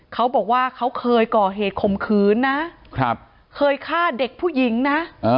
เขาบอกว่าเขาเคยก่อเหตุข่มขืนนะเคยฆ่าเด็กผู้หญิงนะ